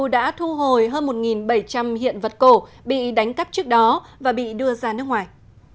đã thu hồi hơn một bảy trăm linh hiện vật cổ bị đánh cắp trước đó và bị đưa ra nước ngoài